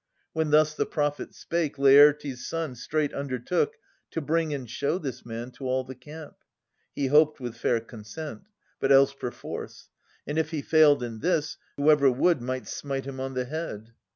When thus the prophet spake, Lafirtes' son Straight undertook to bring and show this man To all the camp :— he hoped, with fair consent : But else, perforce. — And, if he failed in this. Whoever would might smite him on the head.